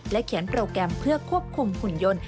เขียนโปรแกรมเพื่อควบคุมหุ่นยนต์